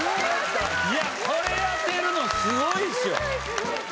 いやこれ当てるのすごいですよ！